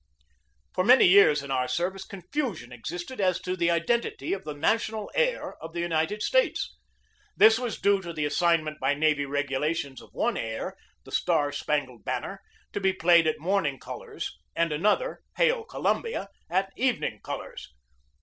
For many years in our service confusion existed as to the identity of the national air of the United States. This was due to the assignment by navy regulations of one air, "The Star Spangled Banner," to be played at morning colors, and another, "Hail, Columbia," at evening colors.